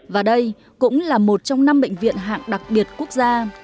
và đây cũng là một trong năm bệnh viện hạng đặc biệt quốc gia